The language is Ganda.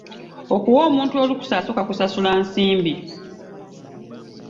Okuwa omuntu olukusa asooka kusasula nsimbi.